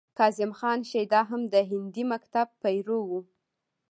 کاظم خان شیدا هم د هندي مکتب پیرو و.